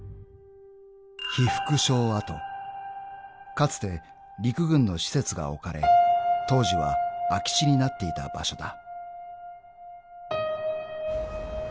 ［かつて陸軍の施設が置かれ当時は空き地になっていた場所だ］